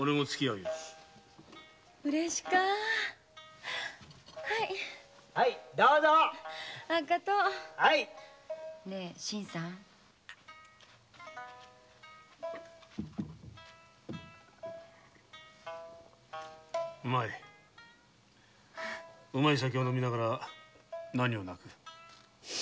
うまいうまい酒を飲みながら何を泣く？